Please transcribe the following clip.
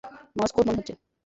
Mars code মনে হচ্ছে।